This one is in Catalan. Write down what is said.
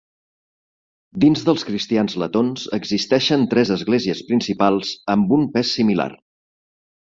Dins dels cristians letons existeixen tres esglésies principals, amb un pes similar.